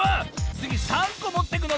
つぎ３こもってくの？